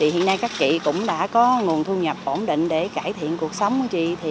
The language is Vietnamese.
hiện nay các kỵ cũng đã có nguồn thu nhập ổn định để cải thiện cuộc sống